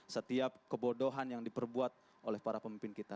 setiap kebodohan yang diperbuat oleh para pemimpin kita